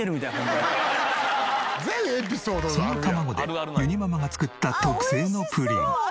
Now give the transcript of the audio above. その卵でゆにママが作った特製のプリン。